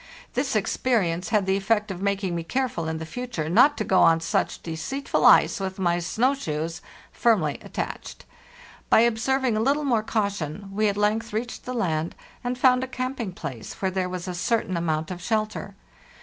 This ex perience had the effect of making me careful in the fut ure not to go on such deceitful ice with my snow shoes firmly attached. By observing a little more caution, we at length reached the land, and found a camping place where there was a certain amount of shelter.